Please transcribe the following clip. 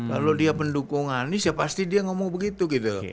kalau dia pendukung anies ya pasti dia ngomong begitu gitu